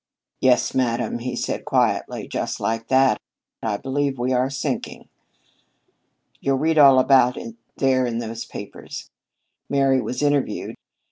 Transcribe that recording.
'Yes, madam,' he said quietly, just like that, 'I believe we are sinking.' You'll read all about it there in those papers. Mary was interviewed.